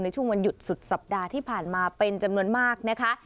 ในช่วงวันหยุดสุดสัปดาห์ที่ผ่านมาเป็นจำนวนมากนะคะ